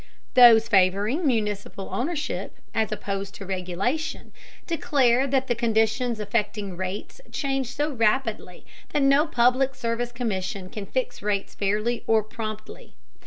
Those favoring municipal ownership, as opposed to regulation, declare that the conditions affecting rates change so rapidly that no public service commission can fix rates fairly or promptly.